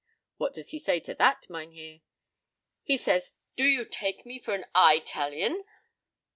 p> "What does he say to that, Mynheer?" "He says, 'Do you take me for an Italian?'